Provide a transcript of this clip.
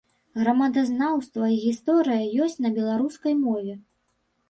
Грамадазнаўства і гісторыя ёсць на беларускай мове.